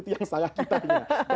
itu yang salah kita